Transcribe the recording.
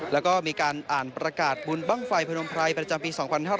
แล้วก็มีการอ่านประกาศบุญบ้างไฟพนมไพรประจำปี๒๕๕๙